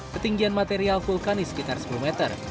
ketinggian material vulkanis sekitar sepuluh meter